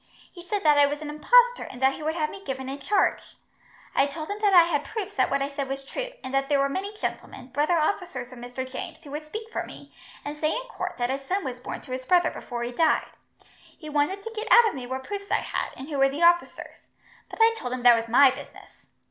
He said that I was an impostor, and that he would have me given in charge. I told him that I had proofs that what I said was true, and that there were many gentlemen, brother officers of Mr. James, who would speak for me, and say in court that a son was born to his brother before he died. He wanted to get out of me what proofs I had, and who were the officers; but I told him that was my business.